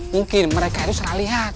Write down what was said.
mungkin mereka itu setelah lihat